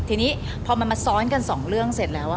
ทีนี้พอมันมาซ้อนกันสองเรื่องเสร็จแล้ว